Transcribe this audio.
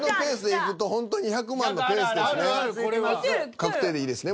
確定でいいですね。